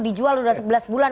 dijual udah sebelas bulan